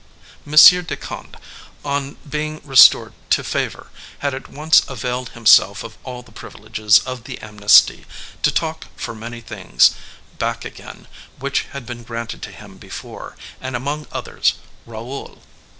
A. de Conde; on being restored to favor, had at once availed himself of all the privileges of the amnesty to ask for many things back again which had been granted to him before, and among others, Raoul.